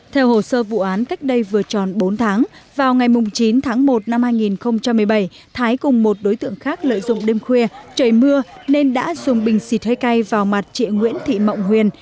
theo hồ sơ vụ án cách đây vừa tròn bốn tháng vào ngày chín tháng một năm hai nghìn một mươi bảy thái cùng một đối tượng khác lợi dụng đêm khuya trời mưa nên đã dùng bình xịt hơi cay vào mặt chị nguyễn thị mộng huyền